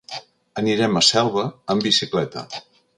Anirem a Selva amb bicicleta.